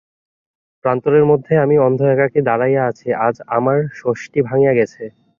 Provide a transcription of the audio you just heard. প্রান্তরের মধ্যে আমি অন্ধ একাকী দাঁড়াইয়া আছি, আজ আমার ষষ্টি ভাঙিয়া গেছে।